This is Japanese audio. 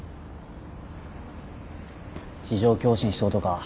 地上共振しとうとか。